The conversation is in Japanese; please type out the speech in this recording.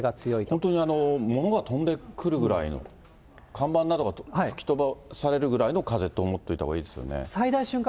本当に物が飛んでくるぐらいの、看板などが吹き飛ばされるぐらいの風と思っておいたほうがいいで最大瞬間